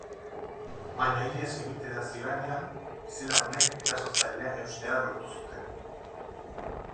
Baina ihes egitera zihoanean, bizilagunek erasotzailea eustea lortu zuten.